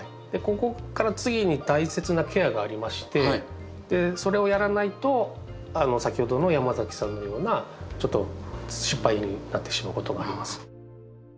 ここから次に大切なケアがありましてそれをやらないと先ほどの山崎さんのようなちょっと失敗になってしまうことがあります。